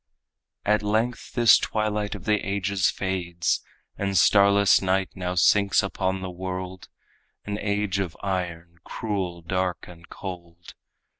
At length this twilight of the ages fades, And starless night now sinks upon the world An age of iron, cruel, dark and cold.